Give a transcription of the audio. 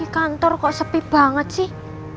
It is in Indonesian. kantor kok sepi banget sih